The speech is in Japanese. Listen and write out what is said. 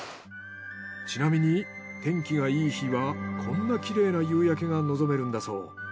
ちなみに天気がいい日はこんなきれいな夕焼けが望めるんだそう。